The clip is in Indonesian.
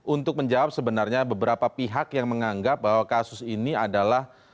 untuk menjawab sebenarnya beberapa pihak yang menganggap bahwa kasus ini adalah